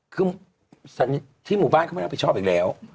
คือที่หมู่บ้านเขาไม่รับผิดชอบอีกแล้ว